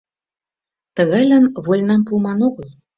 — Тыгайлан вольнам пуыман огыл!